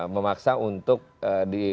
memaksa untuk memiliki kekuatan